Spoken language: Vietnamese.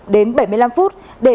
bốn mươi năm đến bảy mươi năm phút để